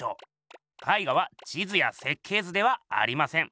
絵画は地図や設計図ではありません。